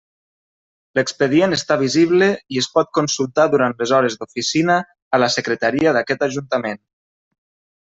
L'expedient està visible i es pot consultar durant les hores d'oficina a la secretaria d'aquest Ajuntament.